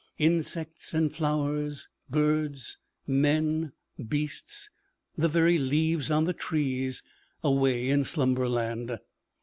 Insects and flowers, birds, men, beasts, the very leaves on the trees away in slumberland.